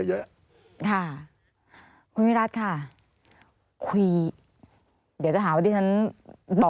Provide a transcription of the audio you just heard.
การเลือกตั้งครั้งนี้แน่